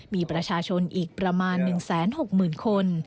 มีประชาชนอีกประมาณ๑๖๐๐๐คน